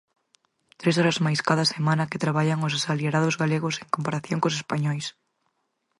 Tres horas máis cada semana que traballan os asalariados galegos en comparación cos españois.